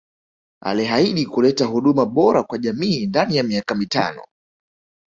Alihaidi kuleta huduma bora kwa jamii ndani ya miaka mitano